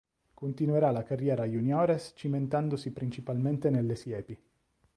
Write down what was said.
Continuerà la carriera juniores cimentandosi principalmente nelle siepi.